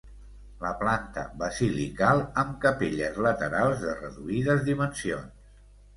La planta basilical amb capelles laterals de reduïdes dimensions.